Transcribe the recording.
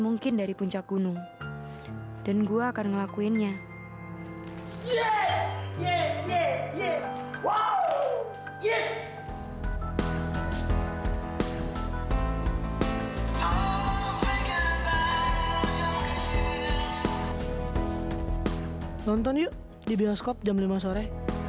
nonton yuk di bioskop jam lima sore